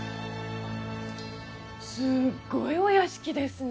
すごいお屋敷ですね。